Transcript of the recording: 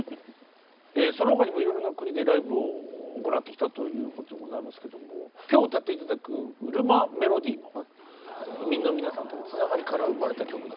その他にもいろいろな国でライブを行ってきたということでございますけど今日歌って頂く「ウルマメロディー」も移民の皆さんとのつながりから生まれた曲だということで。